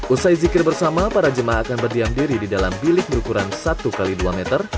usai zikir bersama para jemaah akan berdiam diri di dalam bilik berukuran satu x dua meter